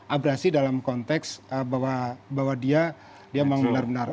abrasi dalam konteks bahwa dia menggulang benar benar